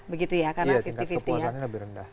begitu ya karena lima puluh lima puluh